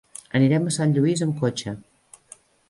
Anirem a Sant Lluís amb cotxe.